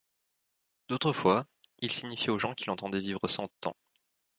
D'autres fois, il signifiait aux gens qu'il entendait vivre cent ans.